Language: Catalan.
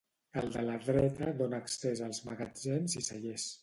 El de la dreta dóna accés als magatzems i cellers.